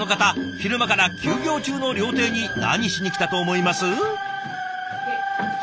昼間から休業中の料亭に何しに来たと思います？